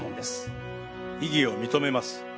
異議を認めます。